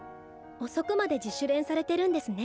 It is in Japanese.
遅くまで自主練されてるんですね。